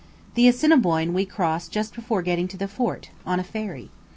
The Assiniboine we crossed just before getting to the fort, on a ferry.